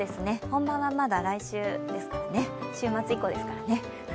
本番はまだ来週ですからね週末以降ですからね。